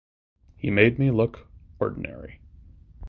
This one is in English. He made me look ordinary.